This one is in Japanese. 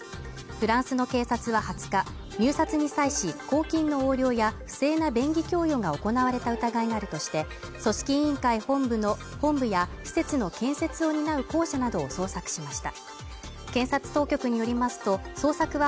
フランスの警察は２０日入札に際し、公金の横領や不正な便宜供与が行われた疑いがあるとして組織委員会本部や施設の建設を担う公社などを捜索しました。